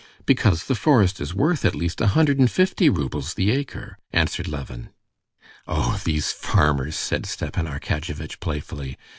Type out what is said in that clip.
"Because the forest is worth at least a hundred and fifty roubles the acre," answered Levin. "Oh, these farmers!" said Stepan Arkadyevitch playfully.